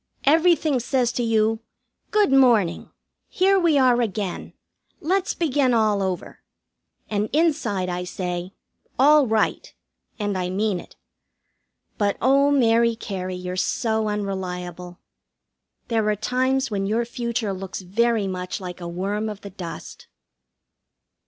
Everything says to you: "Good morning! Here we are again. Let's begin all over." And inside I say, "All right," and I mean it; but oh, Mary Cary, you're so unreliable. There are times when your future looks very much like a worm of the dust.